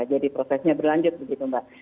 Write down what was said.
jadi prosesnya berlanjut begitu mbak